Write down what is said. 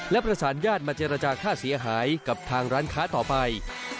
และประสานญาติมาเจรจาค่าเสียหายกับทางร้านค้าต่อไป